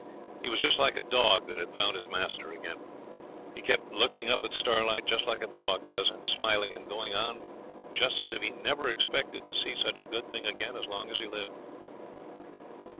He was just like a dog that had found his master again. He kept looking up at Starlight just like a dog does, and smiling and going on just as if he never expected to see such a good thing again as long as he lived.